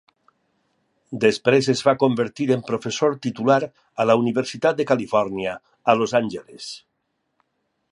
Després es va convertir en professor titular a la Universitat de Califòrnia a Los Angeles.